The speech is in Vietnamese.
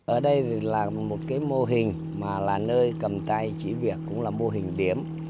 ở đây thì là một cái mô hình mà là nơi cầm tay chỉ việc cũng là mô hình điểm